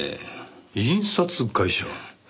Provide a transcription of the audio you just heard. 印刷会社？